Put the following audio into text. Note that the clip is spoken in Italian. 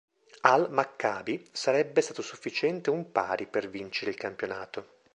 Al Maccabi sarebbe stato sufficiente un pari per vincere il campionato.